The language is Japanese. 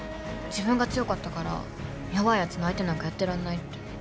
自分が強かったから弱い奴の相手なんかやってらんないって。